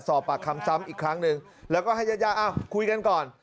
สอบปากคำซ้ำอีกครั้งหนึ่งแล้วก็ให้ญาติยาคุยกันก่อน